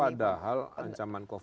padahal ancaman covid ini terhadap